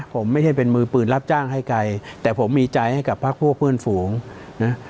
ผมไม่ใช่เป็นมือปืนรับจ้างให้ไกลแต่ผมมีใจให้กับพักพวกเพื่อนฝูงนะ